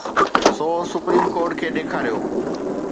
سو supreme court کي ڏيکاريو.